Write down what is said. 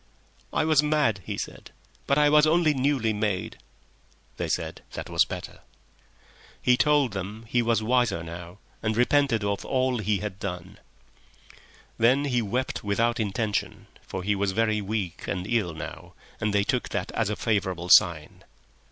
"I was mad," he said. "But I was only newly made." They said that was better. He told them he was wiser now, and repented of all he had done. Then he wept without intention, for he was very weak and ill now, and they took that as a favourable sign.